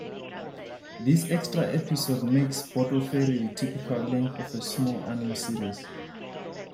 This extra episode makes "Bottle Fairy" the typical length of a small anime series.